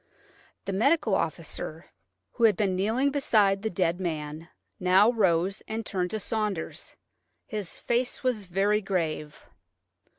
The medical officer, who had been kneeling beside the dead man, now rose and turned to Saunders. His face was very grave.